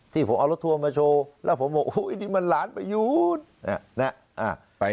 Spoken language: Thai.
ที่ผมเอารถทัวร์มาโชว์แล้วผมบอกนี่มันหลานประยุทธ์